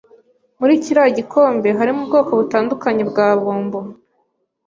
Muri kiriya gikombe harimo ubwoko butandukanye bwa bombo.